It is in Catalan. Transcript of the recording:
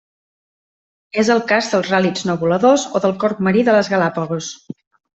És el cas dels ràl·lids no voladors o del corb marí de les Galápagos.